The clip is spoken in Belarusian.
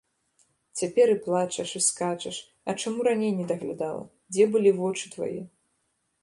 Цяпер і плачаш, і скачаш, а чаму раней не даглядала, дзе былі вочы твае?